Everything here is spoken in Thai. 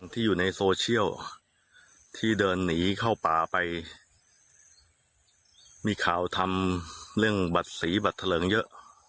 ที่อยู่ในโซเชียลที่เดินหนีเข้าป่าไปมีข่าวทำเรื่องบัตรสีบัตรเถลิงเยอะ